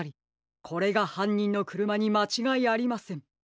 これがはんにんのくるまにまちがいありません。